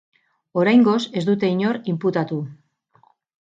Oraingoz ez dute inor inputatu.